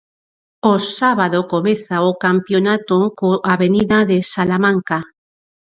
O sábado comeza o campionato co Avenida de Salamanca.